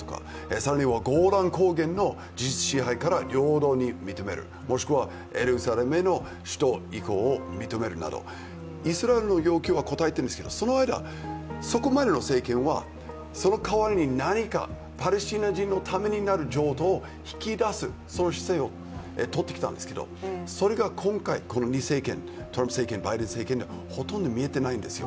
更にはゴラン高原の事実支配から認める、もしくはエルサレムへの首都移行を認めるなどイスラエルの要求には応えてるんですけどその間、そこまでの政権はそれまでに何かパレスチナ人のために何かを引き出すその姿勢をとってきたんですけどそれが今回、トランプ政権、バイデン政権ではほとんど見えていないんですよ。